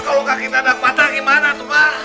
kalau kakinya adam patah gimana tuh ma